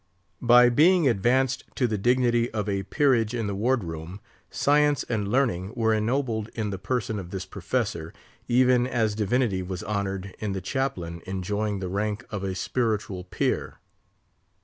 By being advanced to the dignity of a peerage in the Ward room, Science and Learning were ennobled in the person of this Professor, even as divinity was honoured in the Chaplain enjoying the rank of a spiritual peer.